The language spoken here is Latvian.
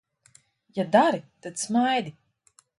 Ja dari, tad smaidi!